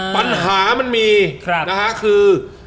ปัญหามันมีนะฮะคือ